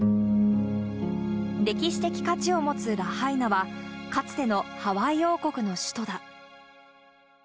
歴史的価値を持つラハイナは、かつてのハワイ王国の首都だ。